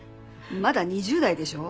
まだ２０代でしょ？